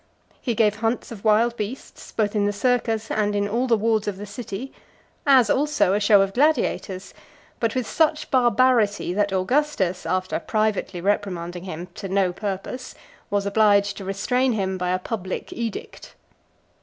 He gave hunts of wild beasts, both in the Circus and in all the wards of the city; as also a show of gladiators; but with such barbarity, that Augustus, after privately reprimanding him, to no purpose, was obliged to restrain him by a public edict.